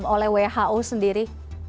oleh who sendiri